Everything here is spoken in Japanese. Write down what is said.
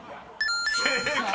［正解！］